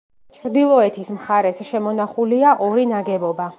ჩრდილოეთის მხარეს შემონახულია ორი ნაგებობა.